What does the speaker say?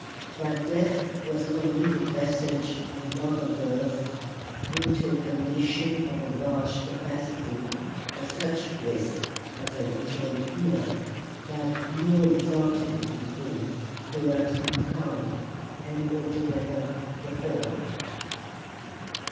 that death was only the passage of another birth into a condition of enlarged capacity for such bliss as they enjoyed here, but more exalted in degree, perhaps in kind, and altogether preferable."